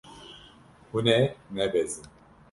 Hûn ê nebezin.